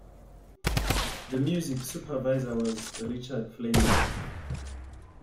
The Music Supervisor was Richard Flanzer.